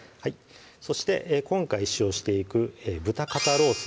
そして今回使用していく豚肩ロース